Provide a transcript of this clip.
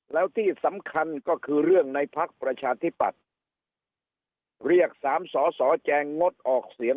แล้วที่สำคัญก็คือเรื่องในพักประชาธิปัตย์เรียกสามสสแจงงดออกเสียง